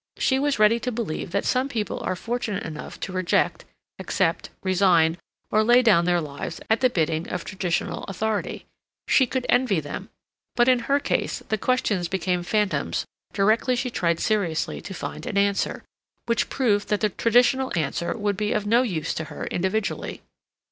She was ready to believe that some people are fortunate enough to reject, accept, resign, or lay down their lives at the bidding of traditional authority; she could envy them; but in her case the questions became phantoms directly she tried seriously to find an answer, which proved that the traditional answer would be of no use to her individually.